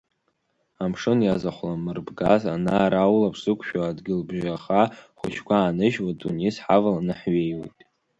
Амшын иазахәламырбгаз, ана-ара улаԥш зықәшәо адгьылбжьаха хәыҷқәа ааныжьуа, Тунис ҳаваланы ҳҩеиуеит.